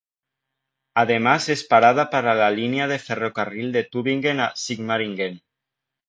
Además es parada para la línea de ferrocarril de Tübingen a Sigmaringen.